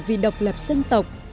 vì độc lập dân tộc